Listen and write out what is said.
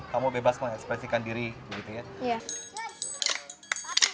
kamu bebas mengekspresikan diri begitu ya